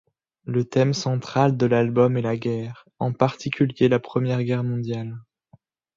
Le thème central de l'album est la guerre, en particulier la première guerre mondiale.